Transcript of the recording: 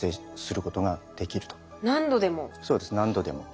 そうです何度でも。